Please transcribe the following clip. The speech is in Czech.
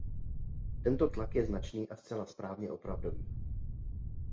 Tento tlak je značný a zcela správně opravdový.